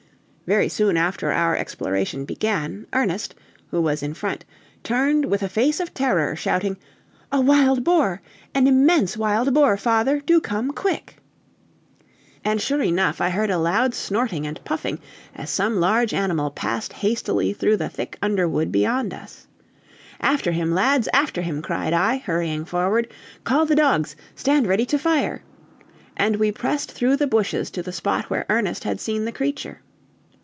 Very soon after our exploration began, Ernest, who was in front, turned with a face of terror, shouting, "A wild boar! an immense wild boar, father! Do come, quick!" And sure enough, I heard a loud snorting and puffing as some large animal passed hastily through the thick underwood beyond us. "After him lads, after him!" cried I, hurrying forward. "Call the dogs! stand ready to fire!" And we pressed through the bushes to the spot where Ernest had seen the creature.